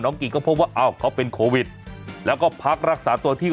กิ่งก็พบว่าอ้าวเขาเป็นโควิดแล้วก็พักรักษาตัวที่